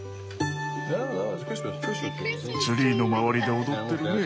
ツリーの周りで踊ってるね。